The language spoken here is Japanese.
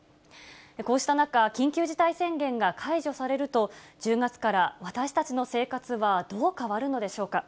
こうした中、緊急事態宣言が解除されると、１０月から私たちの生活はどう変わるのでしょうか。